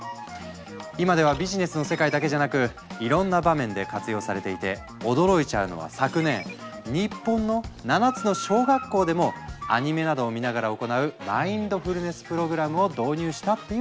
今ではビジネスの世界だけじゃなくいろんな場面で活用されていて驚いちゃうのは昨年日本の７つの小学校でもアニメなどを見ながら行うマインドフルネス・プログラムを導入したっていう話。